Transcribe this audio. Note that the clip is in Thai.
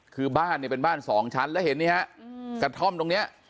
คือบ้านเนี่ยเป็นบ้านสองชั้นแล้วเห็นนี่ฮะกระท่อมตรงนี้